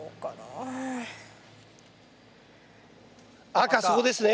赤そこですね？